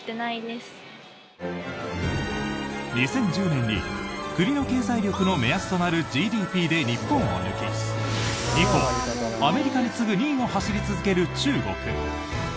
２０１０年に国の経済力の目安となるＧＤＰで日本を抜き以降、アメリカに次ぐ２位を走り続ける中国。